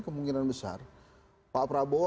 kemungkinan besar pak prabowo